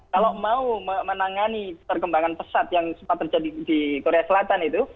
kalau mau menangani perkembangan pesat yang sempat terjadi di korea selatan itu